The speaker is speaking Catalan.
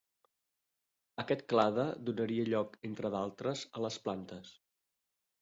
Aquest clade donaria lloc entre d'altres a les plantes.